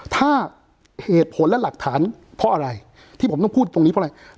ถ้าเหตุผลและหลักฐานเพราะอะไรที่ผมต้องพูดตรงนี้เพราะอะไร